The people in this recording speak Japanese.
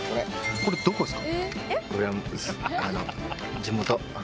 これどこですか？